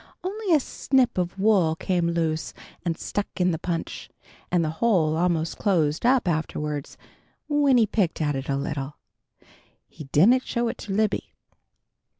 Only a snip of wool came loose and stuck in the punch, and the hole almost closed up afterward when he picked at it a little. He didn't show it to Libby.